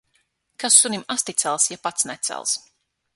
Kas sunim asti cels, ja pats necels.